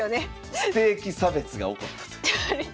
ステーキ差別が起こったという。